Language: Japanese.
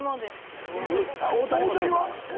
大谷もそうです。